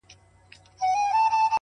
یوار مسجد ته ګورم. بیا و درمسال ته ګورم.